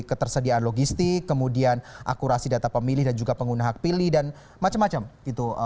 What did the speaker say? ketersediaan logistik kemudian akurasi data pemilih dan juga pengguna hak pilih dan macam macam itu